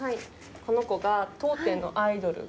この子が当店のアイドル。